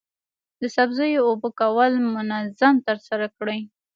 د سبزیو اوبه کول منظم ترسره کړئ.